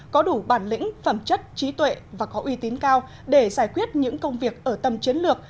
có đủ bản lĩnh phẩm chất trí tuệ và có uy tín cao để giải quyết những công việc ở tầm chiến lược